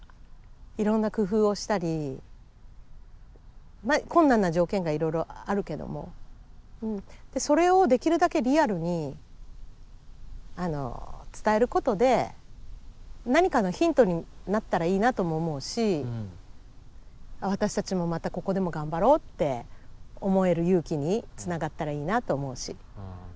いろんな工夫をしたりまあ困難な条件がいろいろあるけどもでそれをできるだけリアルに伝えることで何かのヒントになったらいいなとも思うし私たちもまたここでも頑張ろうって思える勇気につながったらいいなと思うし。